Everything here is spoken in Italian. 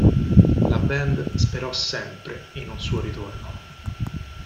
La band sperò sempre in un suo ritorno.